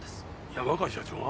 山川社長が？